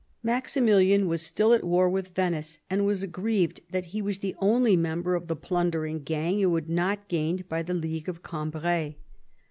Maximilian was still at war with Venice, and was aggrieved that he was the only member of the plundering gang who had not gained by the League of Cambrai.